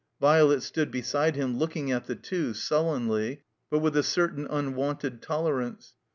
Violet stood beside him, looking at the two, sul lenly, but with a certain unwonted tolerance.